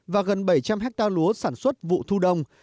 và gần bảy trăm linh hectare lúa sản xuất vụ thu đông